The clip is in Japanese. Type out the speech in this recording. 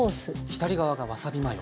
左側がわさびマヨ。